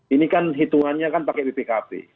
ini kan hitungannya kan pakai bpkp